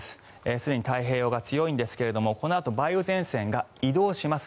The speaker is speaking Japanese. すでに太平洋側、強いんですがこのあと梅雨前線が移動します。